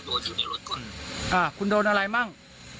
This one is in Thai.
ผมก็โดนอยู่ในรถก่อนอ่าคุณโดนอะไรบ้าง